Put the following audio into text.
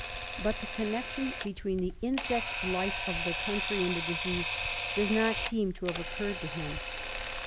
But the connection between the insect life of the country and the disease does not seem to have occurred to him.